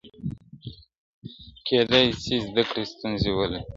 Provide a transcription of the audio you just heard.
کېدای سي زده کړه ستونزي ولري؟!